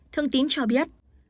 thương tín cho biết